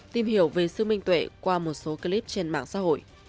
tìm hiểu về sự minh tuệ qua một số clip trên mạng xã hội